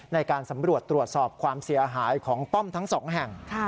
ในการสำรวจตรวจสอบความเสียหายของป้อมทั้งสองแห่ง